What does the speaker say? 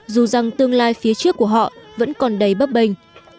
dù rằng tương lai phía trước của họ vẫn còn đầy bấp bênh